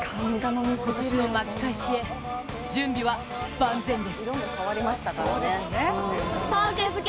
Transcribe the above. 今年の巻き返しへ、準備は万全です。